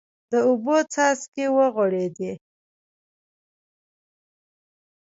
د اوبو څاڅکی ورغړېد.